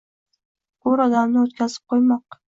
Ko‘r odamni o‘tkazib qo‘ymoq –